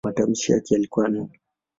Matamshi yake yalikuwa "n".